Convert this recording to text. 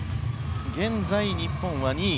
現在、日本は２位。